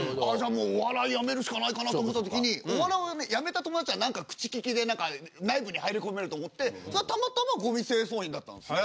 もうお笑い辞めるしかないかなと思った時にお笑いを辞めた友達が口利きで内部に入り込めると思ってそれがたまたまごみ清掃員だったんですね。